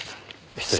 失礼。